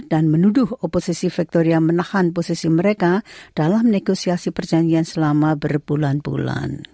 dan menuduh oposisi victoria menahan posisi mereka dalam negosiasi perjanjian selama berbulan bulan